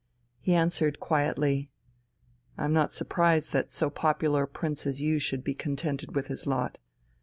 He answered quietly: "I'm not surprised that so popular a prince as you should be contented with his lot.